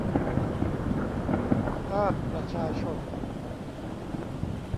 ภาคประชาชน